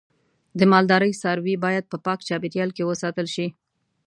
د مالدارۍ څاروی باید په پاک چاپیریال کې وساتل شي.